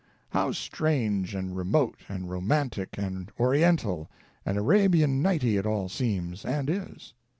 How strange and remote and romantic and Oriental and Arabian Nighty it all seems — and is.